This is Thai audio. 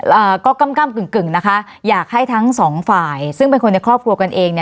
อ่าก็กำกึ่งกึ่งนะคะอยากให้ทั้งสองฝ่ายซึ่งเป็นคนในครอบครัวกันเองเนี่ย